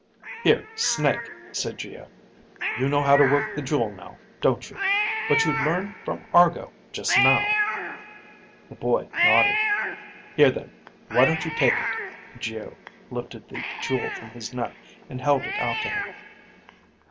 "Here, Snake," said Geo. "You know how to work the jewel now, don't you; but you learned from Argo just now." The boy nodded. "Here, then, why don't you take it?" Geo lifted the jewel from his neck and held it out to him.